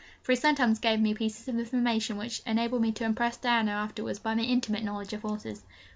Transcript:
For he sometimes gave me pieces of information which enabled me to impress Diana afterwards by my intimate knowledge of horses.